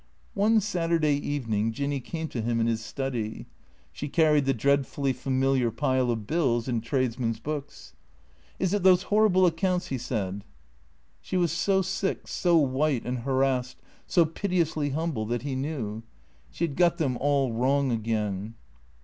One Saturday evening Jinny came to him in his study. She carried the dreadfully familiar pile of bills and tradesmen's books. '' Is it those horrible accounts ?" he said. She was so sick, so white and harassed, so piteously humble, that he knew. She had got them all wrong again.